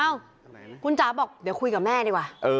ขอคุณจ๋าบอกคุยกับแม่ดีกว่า